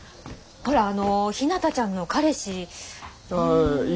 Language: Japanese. ほらあのひなたちゃんの彼氏い。